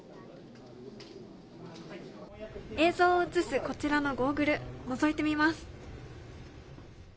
映像を映すこちらのゴーグル、のぞいてみます。